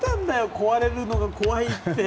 壊れるのが怖いって。